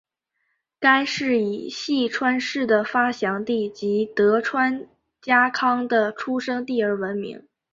该市以细川氏的发祥地及德川家康的出生地而闻名。